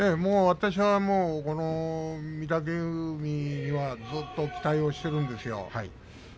私はこの御嶽海はずっと期待をしているんですよ。